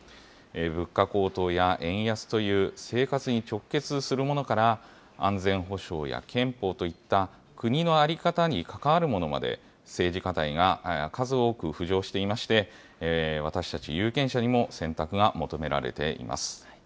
物価高騰や円安という、生活に直結するものから、安全保障や憲法といった、国の在り方に関わるものまで、政治課題が数多く浮上していまして、私たち有権者にも選択が求められています。